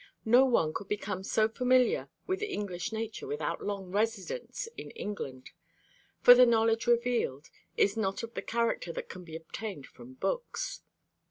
No one could become so familiar with English nature without long residence in England: for the knowledge revealed is not of the character that can be obtained from books.